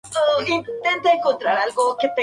Pero luego apareció una circunstancia perturbadora.